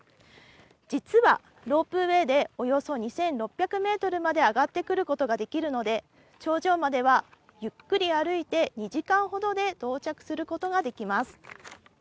実はロープウエーで、およそ２６００ｍまで上がってくることができるので、頂上まではゆっくり歩いて２時間ほどで到着することができます。